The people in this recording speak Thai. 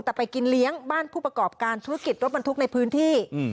แต่ไปกินเลี้ยงบ้านผู้ประกอบการธุรกิจรถบรรทุกในพื้นที่